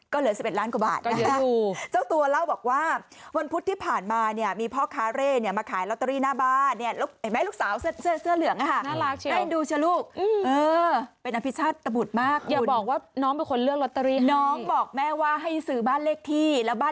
ก็เหลือ๑๑ล้านกว่าบาทนะครับนะครับ